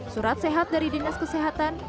surat sehat dari dinas kesehatan